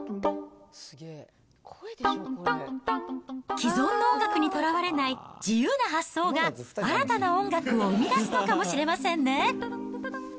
既存の音楽にとらわれない自由な発想が新たな音楽を生み出すのかもしれませんね。